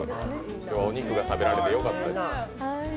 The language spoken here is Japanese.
今日はお肉が食べられてよかったです。